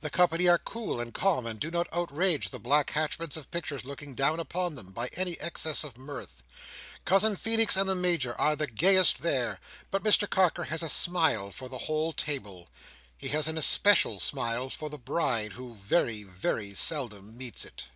The company are cool and calm, and do not outrage the black hatchments of pictures looking down upon them, by any excess of mirth. Cousin Feenix and the Major are the gayest there; but Mr Carker has a smile for the whole table. He has an especial smile for the Bride, who very, very seldom meets it.